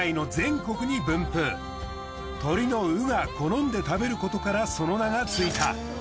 鳥の鵜が好んで食べることからその名がついた。